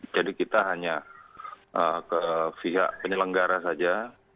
jadi kita hanya ke fiak penyelenggara saja